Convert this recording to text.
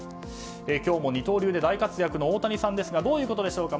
今日も二刀流で大活躍の大谷さんですがどういうことでしょうか